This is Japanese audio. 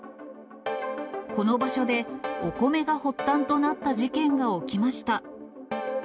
この場所で、お米が発端となった事件が起きました。